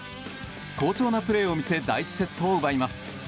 好調なプレーを見せ第１セットを奪います。